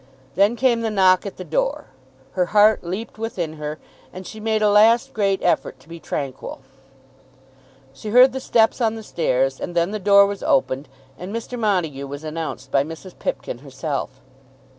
Then came the knock at the door. Her heart leaped within her, and she made a last great effort to be tranquil. She heard the steps on the stairs, and then the door was opened and Mr. Montague was announced by Mrs. Pipkin herself.